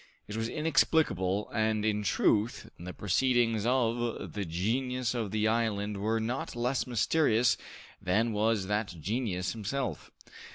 It was inexplicable, and, in truth, the proceedings of the genius of the island were not less mysterious than was that genius himself.